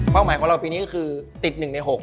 เป้าหมายของเราปีนี้คือติด๑ใน๖